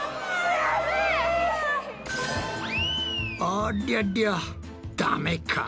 ありゃりゃダメか。